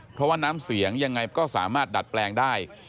เพราะว่าน้ำเสียงยังไงก็สามารถดัดแปลงได้